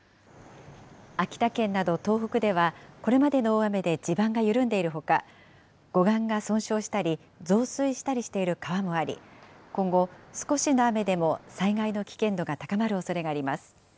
秋田県など東北では、これまでの大雨で地盤が緩んでいるほか、護岸が損傷したり、増水したりしている川もあり、今後、少しの雨でも災害の危険度が高まるおそれがあります。